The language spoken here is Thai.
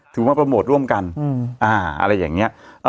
ถือว่าโปรโมทร่วมกันอะไรอย่างนี้